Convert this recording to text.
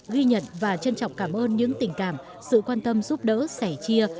ghi nhận và trân trọng cảm ơn những tình cảm sự quan tâm giúp đỡ sẻ chia